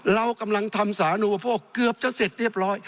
เรากำลังทำสานุปโภคเกือบจะเสร็จเรียบร้อย